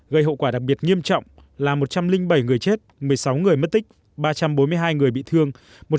gây hậu quả đặc biệt nghiêm trọng làm một trăm linh bảy người chết một mươi sáu người mất tích ba trăm bốn mươi hai người bị thương